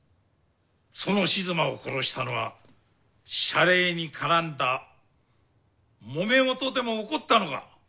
その静馬を殺したのは謝礼に絡んだもめ事でも起こったのか。